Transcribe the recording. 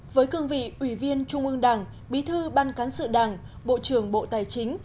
với cương vị ủy viên trung ương đảng bí thư ban cán sự đảng bộ trưởng bộ tài chính